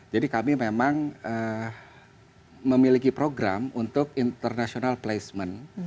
jadi kami memang memiliki program untuk international placement